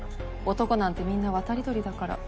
男なんてみんな渡り鳥だから。